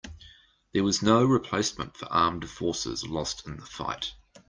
There was no replacement for armed forces lost in the fight.